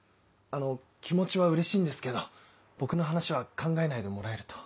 あの気持ちはうれしいんですけど僕の話は考えないでもらえると。